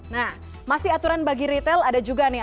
nah masih aturan bagi retail ada juga nih